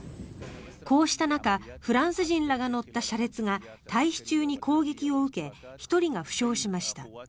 こうした中フランス人らが乗った車列が退避中に攻撃を受け１人が負傷しました。